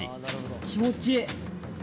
気持ちいい！